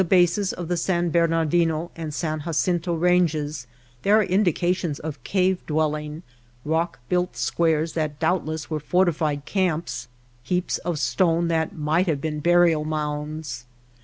bases of the San Bernardino and San Jacinto Ranges there are indications of cave dwelling, rock built squares that doubtless were fortified camps, heaps of stone that might have been burial mounds.